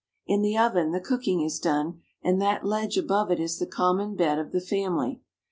In the oven the cooking is done, and that ledge above it is the common bed of the family.